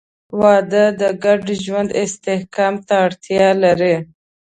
• واده د ګډ ژوند استحکام ته اړتیا لري.